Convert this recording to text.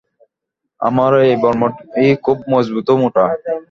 আমার এ বর্মটি খুব মজবুত ও মোটা।